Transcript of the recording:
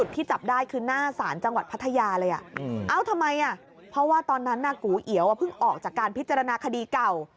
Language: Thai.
ที่จับได้คือหน้าศาลจังหวัดพัทยาเลยเอ้าทำไมเพราะว่าตอนนั้นน่ะกูเอียวเพิ่งออกจากการพิจารณาคดีเก่า